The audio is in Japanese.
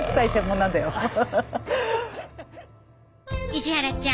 石原ちゃん。